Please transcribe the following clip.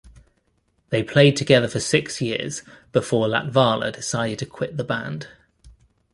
They played together for six years before Latvala decided to quit the band.